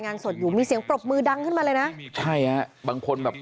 สดอยู่มีเสียงปรบมือดังขึ้นมาเลยนะใช่ฮะบางคนแบบ